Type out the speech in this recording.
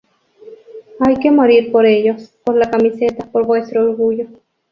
Hay que morir por ellos, por la camiseta, por vuestro orgullo.